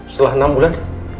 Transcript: setelah enam bulan